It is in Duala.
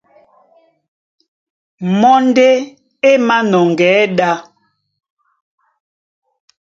Mɔ́ ndé é mānɔŋgɛɛ́ ɗá.